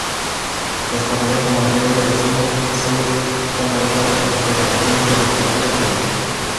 Los torneos amateur de sumo son organizados por la Federación Internacional de Sumo.